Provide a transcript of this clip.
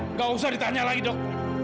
nggak usah ditanya lagi dok